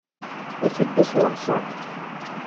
Iteddu s weɣṣab.